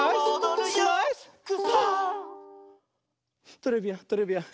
トレビアントレビアン。